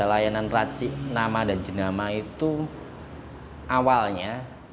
jasa layanan peracik nama dan jenama itu awalnya